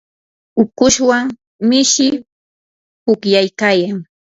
ukushwan mishi pukllaykayan.